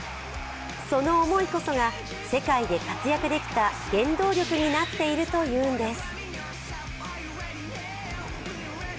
その思いこそが世界で活躍できた原動力になっているというのです。